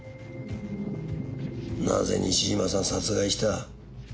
なぜ西島さん殺害した？